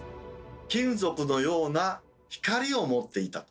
金属のような光を持っていたと。